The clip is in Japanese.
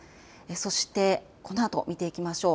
そしてこのあと見ていきましょう。